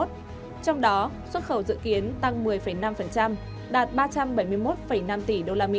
trong đó xuất khẩu dự kiến tăng một mươi năm đạt ba trăm bảy mươi một năm tỷ usd